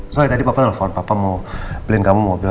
soalnya tadi bapak telepon papa mau beliin kamu mobil